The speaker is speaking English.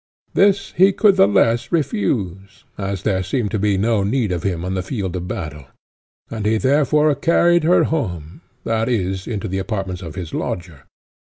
This he could the less refuse, as there seemed to be no need of him on the field of battle; and he therefore carried her home, that is, into the apartments of his lodger.